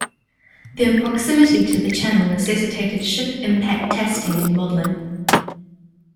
Their proximity to the channel necessitated ship impact testing and modelling.